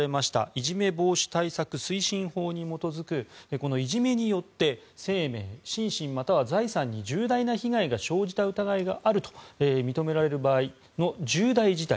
いじめ防止対策推進法に基づくこのいじめによって生命、心身または財産に重大な被害が生じた疑いがあると認められる場合の重大事態